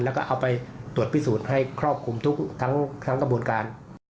แล้วก็เอาไปตรวจพิสูจน์ให้ครอบคลุมทุกทั้งกระบวนการ